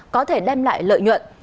có thể đem lại lợi nhuận